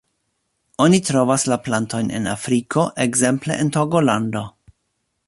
Oni trovas la plantojn en Afriko ekzemple en Togolando.